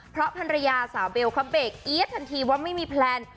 เพราะภรรยาสาวเบลเขาเบรกเอี๊ยดทันทีว่าไม่มีแพลน